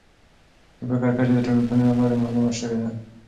د فقر کچه د ټولنپوهني له لارې معلومه سوې ده.